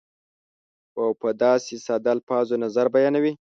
او په داسې ساده الفاظو نظر بیانوي